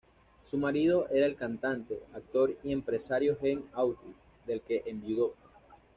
Su marido era el cantante, actor y empresario Gene Autry, del que enviudó.